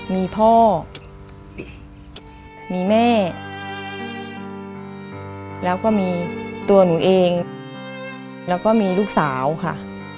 มีพ่อมีแม่แล้วก็มีตัวหนูเองแล้วก็มีลูกสาวค่ะ